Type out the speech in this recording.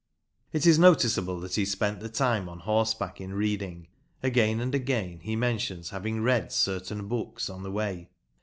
It is noticeable that he spent the time on horseback in reading; again and again he mentions having read certain books on the way.